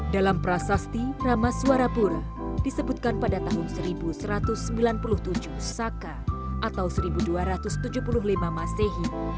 dalam prasasti ramaswarapura disebutkan pada tahun seribu satu ratus sembilan puluh tujuh saka atau seribu dua ratus tujuh puluh lima masehi